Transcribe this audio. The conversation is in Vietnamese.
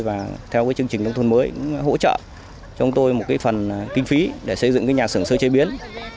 và theo chương trình đồng thuận mới hỗ trợ cho chúng tôi một phần kinh phí để xây dựng nhà sửang sơ chế biến